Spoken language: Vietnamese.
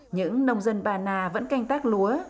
những nông dân ba na vẫn canh tác lúa